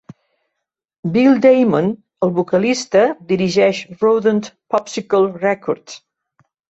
Bill Damon, el vocalista, dirigeix Rodent Popsicle Records.